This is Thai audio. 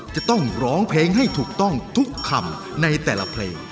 จะต้องร้องเพลงให้ถูกต้องทุกคำในแต่ละเพลง